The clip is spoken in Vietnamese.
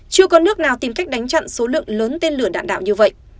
chưa có nước nào tìm cách đánh chặn số lượng lớn tên lửa đạn đạo như vậy